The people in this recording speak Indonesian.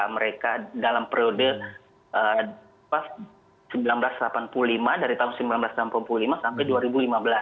mereka dalam periode seribu sembilan ratus delapan puluh lima dari tahun seribu sembilan ratus delapan puluh lima sampai dua ribu lima belas